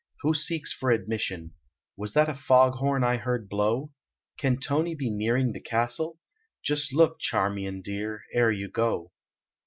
Who seeks for admission ? Was that a fog horn I heard blow ? Can Tony be Hearing the castle ? Just look, Charmion dear, ere you go.